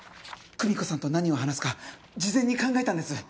久美子さんと何を話すか事前に考えたんです。